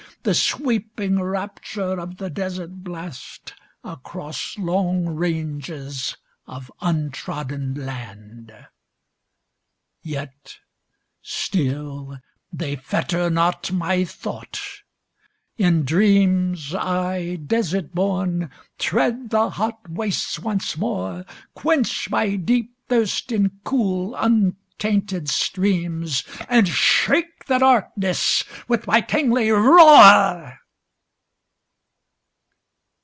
The sweeping rapture of the desert blast Across long ranges of untrodden land! Yet still they fetter not my thought ! In dreams I, desert born, tread the hot wastes once more. Quench my deep thirst in cool, untainted streams. And shake the darkness with my kingly roar!